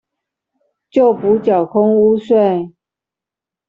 就補繳空屋稅